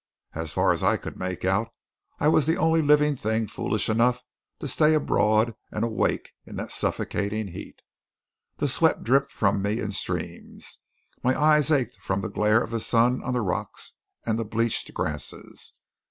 As far as I could make out I was the only living thing foolish enough to stay abroad and awake in that suffocating heat. The sweat dripped from me in streams; my eyes ached from the glare of the sun on the rocks and the bleached grasses.